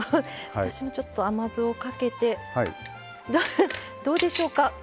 私も、ちょっと甘酢をかけてどうでしょうか。